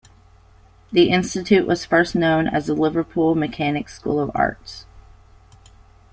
The Institute was first known as the Liverpool Mechanics' School of Arts.